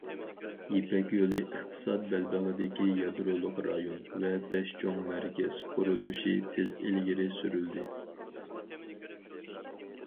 يىپەك يولى ئىقتىساد بەلبېغىدىكى يادرولۇق رايون ۋە‹‹ بەش چوڭ مەركەز›› قۇرۇلۇشى تېز ئىلگىرى سۈرۈلدى.